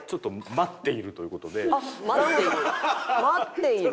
待っている？